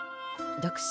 独身。